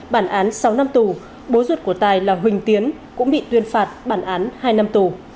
bản án sáu năm tù bố ruột của tài là huỳnh tiến cũng bị tuyên phạt bản án hai năm tù